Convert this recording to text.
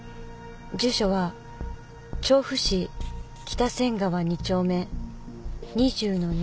住所は調布市北仙川２丁目２０の２。